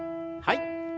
はい。